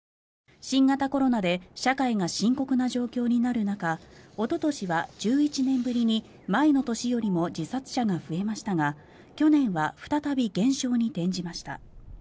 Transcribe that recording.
新型コロナで社会が深刻な状況になる中おととしは１１年ぶりに前の年よりも自殺者が増えましたが去年は再び減少に転じました。